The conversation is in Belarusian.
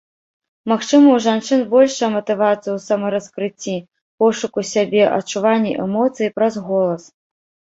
Магчыма, у жанчын большая матывацыя ў самараскрыцці, пошуку сябе, адчуванні эмоцый праз голас.